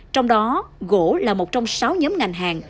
trong đó gỗ là một trong sáu nhóm ngành hàng